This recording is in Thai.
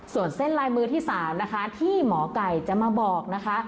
ส่วนเส้นลายมือที่๓นะคะที่หมอไก่จะมาบอกนะคะ